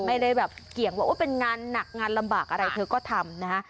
ไม่ได้แบบเกี่ยงว่าเป็นงานหนักงานลำบากอะไรเธอก็ทำนะฮะ